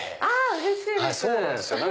うれしいです！